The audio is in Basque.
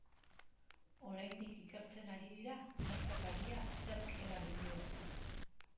Oraindik ikertzen ari dira gertakaria zerk eragin duen.